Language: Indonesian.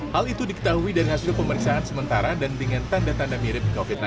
hal itu diketahui dari hasil pemeriksaan sementara dan dengan tanda tanda mirip covid sembilan belas